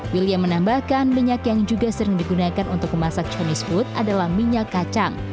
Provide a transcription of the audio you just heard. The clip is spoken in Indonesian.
william menambahkan minyak yang juga sering digunakan untuk memasak chonese food adalah minyak kacang